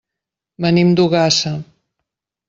Venim d'Ogassa.